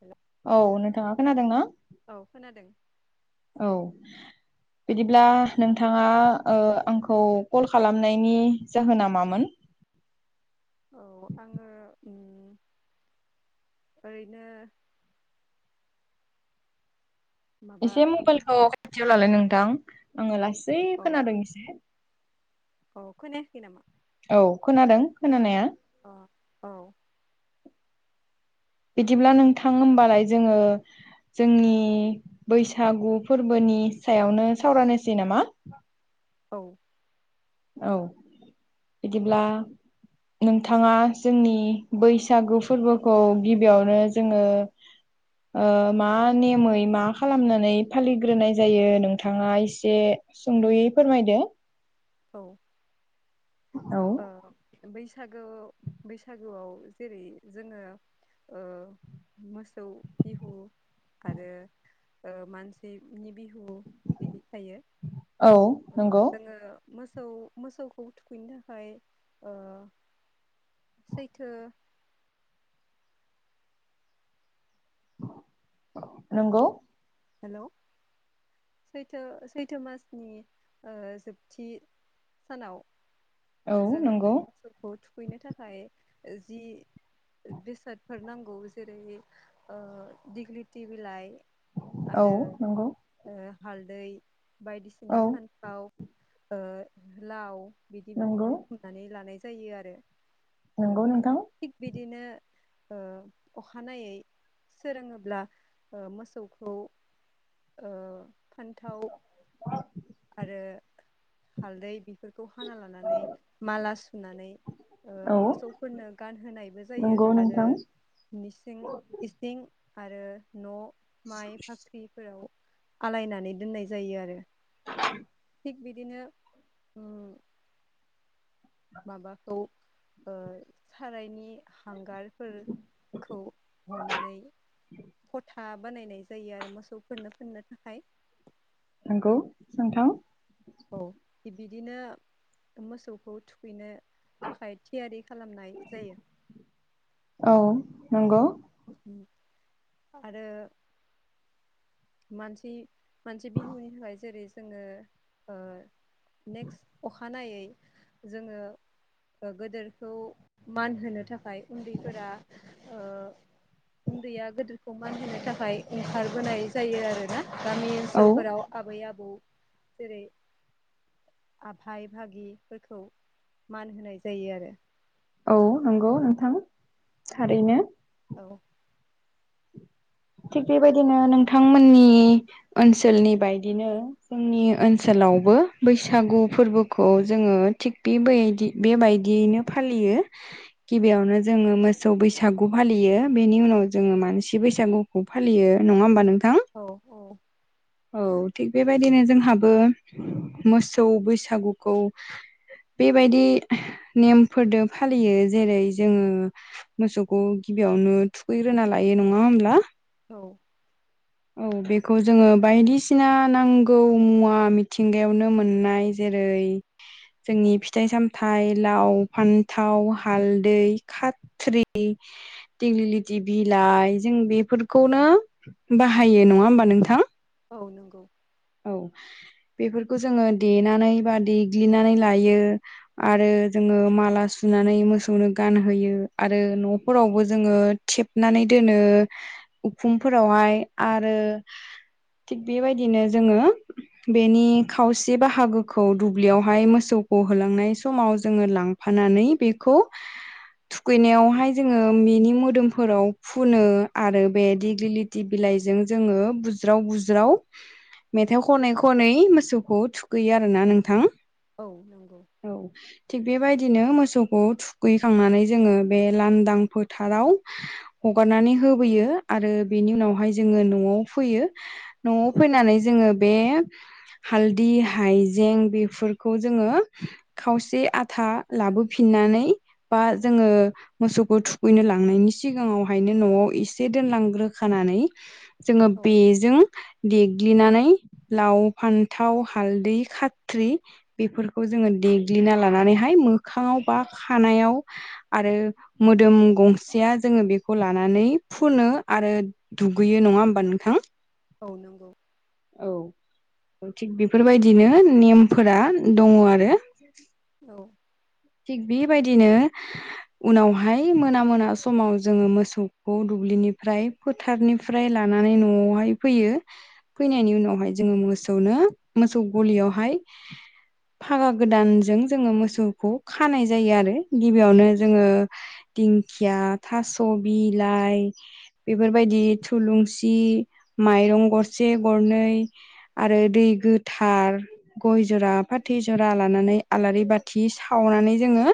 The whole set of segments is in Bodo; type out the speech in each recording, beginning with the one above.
हेल' औ नोंथाङा खोनादों ना औ खोनादों औ बिदिब्ला नोंथाङा ओ आंखौ कल खालामनायनि जाहोना मामोन [inaudible] औ आङो ओरैनो माबा एसे मा मबाइलखौ होनो खाथियाव लालाय नोंथां आङो लासै खोनादों एसे अ खोनायाखै नामा औ खोनादों खोनानाया औ औ बिदिब्ला नोंथां होमबालाय जोङो जोंनि बैसागु फोरबोनि नि सायावनो सावरायनोसै नामा औ औ बिदिब्ला नोंथाङा जोंनि बैसागु फोरबोखौ गिबियावनो जोङो ओ मा नेमै मा खालामनानै फालिग्रोनाय जायो नोंथाङा एसे सुंद'यै फोरमायदो औ ओ बैसागो बैसागोआव जेरै जोङो ओ मोसौ बिहु आरो ओ मानसिनि बिहु बिदि थायो औ नंगौ जोङो मोसौ मोसौखौ थुखैनो ओमफ्राय ओ सैथो नंगौ हेलौ सैथो सैथो मासनि ओ जोबथि सानाव औ जोङो नंगौ मोसौखौ थुखैनो थाखाय जि बेसादफोर नांगौ जेरै दिग्लिलिथि बिलाइ औ आरो नंगौ हालदै औ बायदिसिना फानथाव ओ लाव बिदि नंगौ बुथुमनानै लानाय जायो आरो अ नंगौ नोंथां थिग बिदिनो ओ अखानायै सोरांङोब्ला मोसौ औ ओ फान्थाव आरो हालदै बेफोरखौ हाना लानानै माला सुनानै ओ औ मोसौफोरनो गानहोनायबो जायो नंगौ आरो नोंथां निसिं इसिं आरो न' माइ भाख्रिफोराव आलायनानै दोननाय जायो आरो [inaudible] थिग बिदिनो ओम माबाखौ ओ-सारायनि हांगारफोर खौ हनानै। फथा बानायनाय जायो आरो मोसौफोरनो फोननो थाखाय। नंगौ नोंथां। औ थिग बिदिनो मोसौखौ थुखैनो थाखाय थियारि खालामनाय जायो। औ नंगौ। आरो मानसि मोनसे बिहुनि थाखाय जेरै जोङो ओ नेक्स्ट अखानायै जोङो ओ- गोदोरखौ मान होनो थाखाय उन्दैफोरा ओ उन्दैया गोदोरखौ मान होनो थाखाय ओंखारबोनाय जायो आरो ना गामि औ ओनसोलफोराव आबै आबौ जेरै भाय-भागिफोरखौ मान होनाय जायो आरो। औ नंगौ नोंथां थारैनो। औ। थिग बेबायदिनो नोंथांमोननि ओनसोलनि बायदिनो जोंनि ओनसोल लावबो बैसागु फोरबोखौ जोङो थिग बेबायदि बेबायदियैनो फालियो। गिबियावनो जोङो मोसौ बैसागु फालियो बेनि उनाव जोङो मानसि बैसागु खौ फालियो नङा होमबा नोंथां औ औ औ थिग बेबायदिनो जोंहाबो मोसौ बैसागुखौ बेबायदि नेमफोरदो फालियो जेरै जोङो मोसौखौ बेयावनो थुखैग्रोना लायो नङा होमब्ला? औ। औ बेखौ जोङो बायदिसिना नांगौ मुवा मिथिंगायावनो मोननाय जे जेरै। जोंनि फिथाइ सामथायाइ लाव फान्थाव हालदै खाथ्रि दिगलिलिथि बिलाइ जों बेफोरखौनो बाहायो नङा होमबा नोंथां? औ नंगौ। औ बेफोरखौ जोङो देनानै बा देग्लिनानै लायो आरो जों माला सुनानै मोसौनो गानहोयो आरो न'फोरावबो जोङोे थेबनानै। दोनो उखुमफोरावहाय आरो थिग बेबायदिनो जोङो बेनि खावसे बाहागोखौ दुब्लियावहाय मोसौखौ होलांनाय समाव जोङो लांफायो। फानानै बेखौ थुखैनायावहाय जोङो बिनि मोदोमफोराव फुनो आरो बे दिग्लिलिटि बिलाइ जों जोंङो बुज्राव बुज्राव मेथाइ खनै खनै मोसौखौ थुखैयो आरोना नोंथां। औ नंगौ औ थिग बेबायदि दिनो मोसौखौ थुखैखांनानै जोङो बे लांदां फोथाराव हगारनानै होबोयो आरो बेनि उनावहाय जोङो न'आव फैयो न'आव फैनानै जोङो बे हालदि हायजें बिफिरखौ जोंङो खावसे आथा लाबो फिननानै बा जोङो मोसौखौ थुखैनो लां सिगाङाव जयै न'आव इसे दोनलांग्रोखानानै जोङो औ बेजों देल्गि देल्गिनानै लाव फान्थाव हालदै खाथ्रि बेफोरखौ जोङो देल्गि ना लानानैहाय मोखाआव बा खानायाव आरो मोदोम गंसेया जोङो बेखौ लानानै फुनो आरो दुगैयो। नङा होमबा नोंथां? औ नंगौ। औ थिग बेफोरबायदिनो नेमफोरा दङ आरो। औ। थिग बेबायदिनो। उनावहाय मोना-मोना समाव जोङो मोसौखौ दुब्लिनिफ्राय फोथारनिफ्राय लानानै। लानानै न'आवहाय फैयो फैनायनि उनावहाय जोङो मोसौनो मोसौ गलियावहाय। [unintelligible] फागा गोदानजों जोङो मोसौखौ। खानाय जायो आरो गिबियावनो जोङो दिंखिया थास' बिलाइ। बेफोरबायदि थुलुंसि, माइरं गरसे। से, गरनै आरो दै गोथार, गय जरा, फाथै जरा लानानै। आलारि बाथि साव। खावनानै जोङो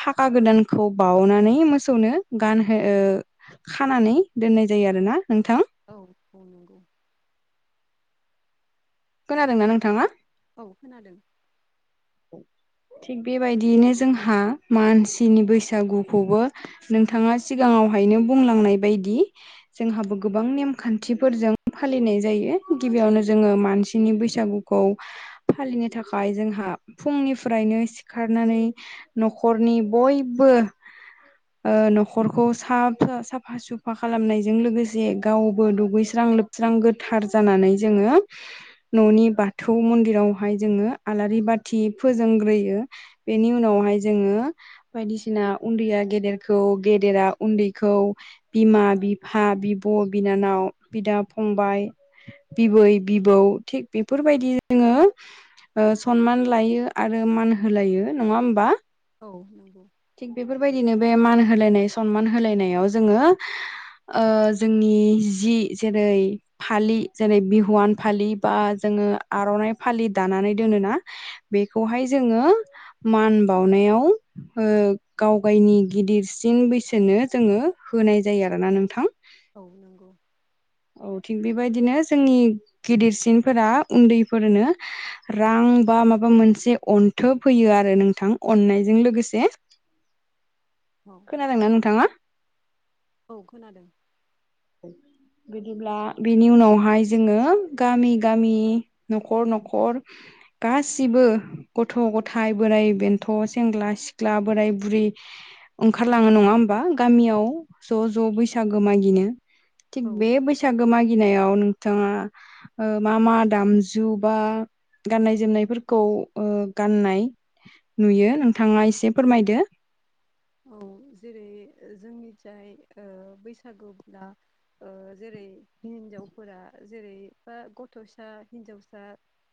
फागा गोदानखौ बावनानै मोसौनो गानहो ओ। खानानै दोननाय जायो आरोना नोंथां। औ-औ नंगौ। खोनादोंना नोंथाङा? औ खोनादों। थिग बेबायदियैनो जोंहा मानसिनि बैसागुखौबो नोंथाङा सिगाङाव। हायनो बुंलांनाय बायदि जोंहाबो गोबां नेमखान्थिफोरजों फालिनाय जायो। गिबियावनो जोङो मानसिनि बैसागुखौ फालिनो थाखाय जोंहा। फुंनिफ्रायनो सिखारनानै न'खरनि बयबो। ओ न'खरखौ साफ साफा-सुफा खालामनायजों लोगोसे गावबो दुगैस्रा लोबस्रां गोथार जानानै जोङो न'नि बाथौ मन्दिरावहाय जोङो आलारि बाथि। थि फोजोंग्रोयो बेनि उनावहाय जोङो बायदिसिना उन्दैया गेदेरखौ। गेदेरा उन्दैखौ बिमा-बिफा, बिब'-बिनानाव, बिदा-फंबाय। फंबाइ, बिबै-बिबौ थिग बेफोरबायदि जोङो ओ सनमान। लायो आरो मान होलायो नङा होमबा? औ नंगौ। थिग बेफोरबायदिनो बे मान होलायनाय सनमान होलायनायाव जोङो ओ जोंनि जि जेरै। जेरै फालि जेरै बिहुवान फालि बा जोङो आर'नाइ फालि दानानै दोनोना। बेखौहाय जोङो। मान बावनायाव ओ गाव गायनि गिदिरसिन बैसोनो जोङो। होनाय जायो आरोना नोंथां। औ नंगौ औ थिग बेबायदिनो जोंनि गिदिरसिनफोरा उन्दैफोरनो रां बा। माबा मोनसे अनथोब हैयो आरो नोंथां अन्नायजों लोगोसे। [unintelligible] औ खोनादोंना नोंथाङा? औ खोनादों। बिदिब्ला बेनि उनावहाय जोङो गामि-गामि, न'खर-न'खर। गासिबो गथ'-गथाय, बोराइ-बेन्थ', सेंग्रा-सिख्ला, बोराय-बुरि। ओंखारलाङो नङा होमबा गामियाव ज'-ज' बैसागो मागिनो? थिग औ बे बैसागो मागिनायाव नोंथाङा ओ मा-मा दामजु बा। गाननाय-जोमनायफोरखौ ओ गाननाय। नुयो नोंथाङा एसे फोरमायदो। औ जेरै जोंनि जाय ओ बैसागुब्ला। ओ जेरै हिनजावफोरा जेरै बा गथ'सा हिनजावसा।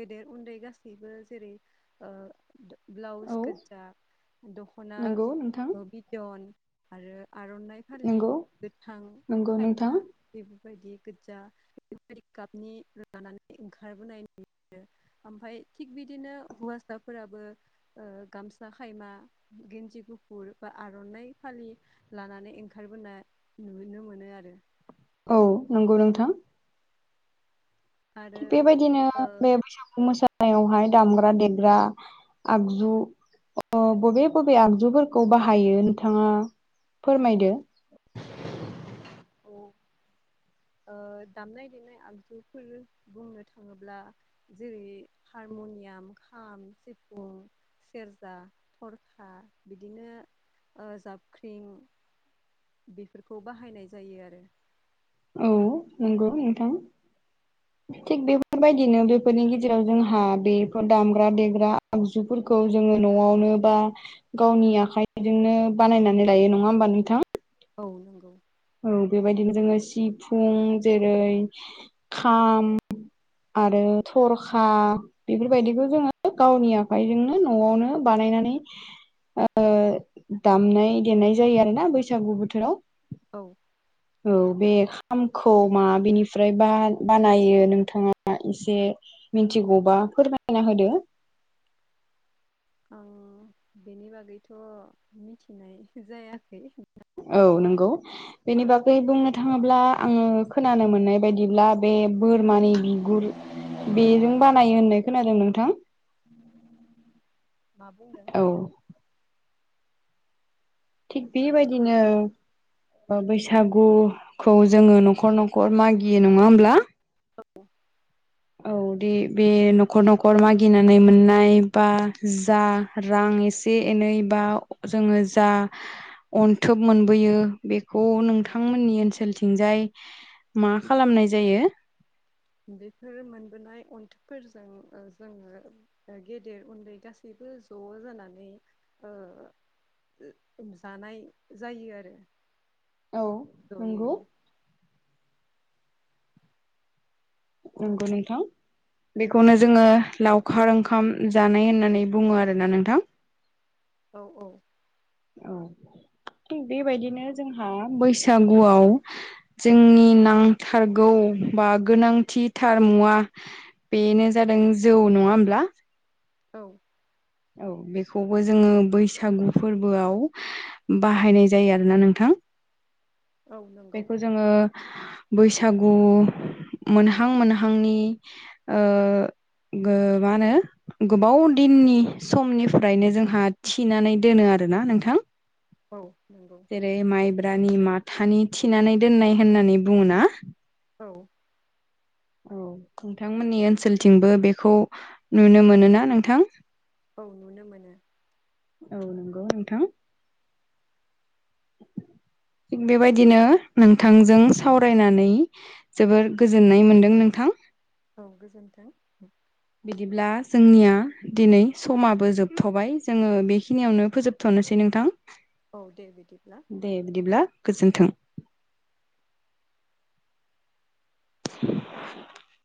गेदेर, उन्दै गासैबो जेरै ओ। ब्लाउस औ गोजा, दख'ना नंगौ नोंथां बिदन आरो। आर'नाइ फालि नंगौ गोथां नंगौ नोंथां खायफा। बेफोरबायदि गोजा बेफोरबायदि गाबनि लानानै ओंखारबोनाय नु। ओमफाय थिग बिदिनो हौवासाफोराबो गामसा खायमा गिन्जि गु- गुफुरबा आर'नाइ फालि लानानै ओंखारबोनाय नुनो मोनो आरो औ नंगौ नोंथां आरो थिग बेबायदिनो बे ओ बैसागु मोसानाय सायावहाय दामग्रा देग्रा आगजु अ बबे बबे आगजुफोरखौ बाहायो नोथाङा फोरमायदो औ दामनाय देनाय आगजुफोर बुंनो थाङोब्ला जेरै हारमनियाम खाम सेफुं सेरजा थरखा बिदिनो जाबख्रिं बेफोरखौ बाहायनाय जायो आरो नंगौ‌ नोंथां थिग बेफोरबायदिनो बेफोरनि गेजेराव जोंहा बेफोर दामग्रा देग्रा आगजुफोर खौ जोङो न'आवनो बा गावनि आखाइजोंनो बानायनानै लायो नङा होमबा नोंथां औ नंगौ औ बेबायदिनो जोङो सिफुं जेरै खाम आरो थरखा बेफोरबायदिखौ जोङो गावनि आखाइजोंनो न'आवनो बानाय बानायनानै [inaudible] दामनाय देनाय जायो आरोना बैसागु बोथोराव औ औ बे खामखौ माबेनिफ्राय बानायो नोंथाङा एसे मिथिगौबा फोरमायना होदो [inaudible] आं बेनि बागैथ' मिथिनाय जायाखै औ नंगौ बेनि बागै बुंनो थाङोब्ला आङो खोनानो मोननाय बायदिब्ला बे बोरमानि बिगुर बेजों बानायो होननाय खोनादों नोंथां मा बुंदों औ थिग बेबायदिनो बैसागुखौ जोङो न'खर न'खर मागियो नङा होमब्ला औ दे बे न'खर न'खर मागिनानै मोननाय बा जा रां एसे एनै बा जोङो जा अन्थोब मोनबोयो बेखौ नोंथांमोननि ओनसोलथिंजाय मा खालामनाय जायो [inaudible] बेफोर मोनबोनाय अनथोबफोरजों ओह जोङो गेदेर उन्दै गासै बे ज' जानानै ओह जानाय जायो आरो औ नंगौ जयैनो नंगौ नोंथां बेखौनो जोङो औ लावखार ओंखाम जानाय होननानै बुङो आरोना नोंथां औ औ औ थिग बेबायदिनो जोंहा बैसागुआव जोंनि नांथारगौ बा गोनांथि थार मुवा बेनो जादों जौ नङा होमब्ला औ औ बेखौबो जोङो बैसागु फोरबोआव बाहायनाय जायो आरोना नोंथां। [unintelligible] औ नंगौ बेखौ जोङो बैसागु मोनहां मोनहांनि ओ गोबाङानो गोबावदिननि समनिफ्रायनो जोंहा थिनानै दोनो आ आरोना नोंथां औ नंगौ रानि माथानि थिनानै दोननाय होननानै बुङो ना औ औ नोंथांमोननि ओनसोलथिंबो बेखौ नुनो मोनो ना नोंथां औ नुनो मोनो औ नंगौ नोंथां [inaudible] बेबायदिनो नोंथांजों सावरायनानै जोबोर गोजोननाय मोनदों नोंथां औ गोजोन्थों! बिदिब्ला जोंनिया दिनै समाबो जोबथ'बाय जोङो बेखिनियावनो फोजोबथ'नोसै नोंथां औ दे बिदिब्ला दे बिदिब्ला गोजोन्थों [unintelligible]